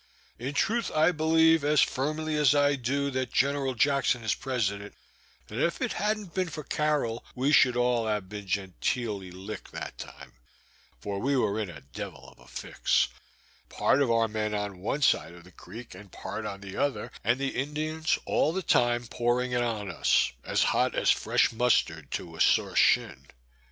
In truth, I believe, as firmly as I do that General Jackson is president, that if it hadn't been for Carroll, we should all have been genteely licked that time, for we were in a devil of a fix; part of our men on one side of the creek, and part on the other, and the Indians all the time pouring it on us, as hot as fresh mustard to a sore shin.